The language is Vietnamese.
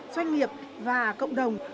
doanh nghiệp và cộng đồng